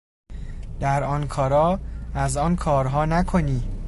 در آنکارا از آن کارها نکنی